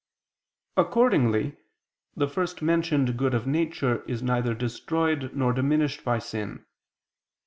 Accordingly, the first mentioned good of nature is neither destroyed nor diminished by sin.